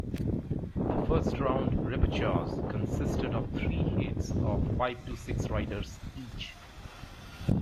The first round repechage consisted of three heats of five to six riders each.